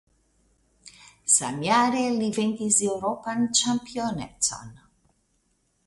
Samjare li venkis eŭropan ĉampionecon.